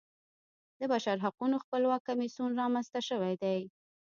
د بشرحقونو خپلواک کمیسیون رامنځته شوی دی.